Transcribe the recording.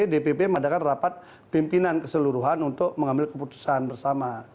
dpp mengadakan rapat pimpinan keseluruhan untuk mengambil keputusan bersama